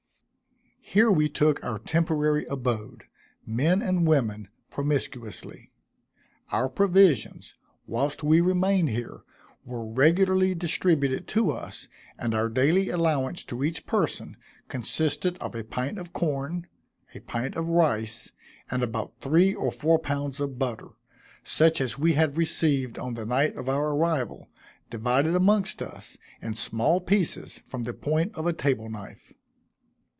Here we took our temporary abode men and women, promiscuously. Our provisions, whilst we remained here, were regularly distributed to us; and our daily allowance to each person, consisted of a pint of corn, a pint of rice, and about three or four pounds of butter, such as we had received on the night of our arrival, divided amongst us, in small pieces from the point of a table knife.